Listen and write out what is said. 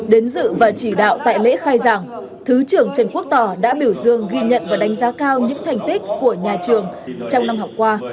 đến dự và chỉ đạo tại lễ khai giảng thứ trưởng trần quốc tỏ đã biểu dương ghi nhận và đánh giá cao những thành tích của nhà trường trong năm học qua